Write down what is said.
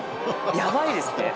やばいですね。